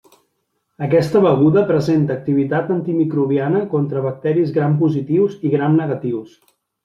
Aquesta beguda presenta activitat antimicrobiana contra bacteris Gram positius i Gram negatius.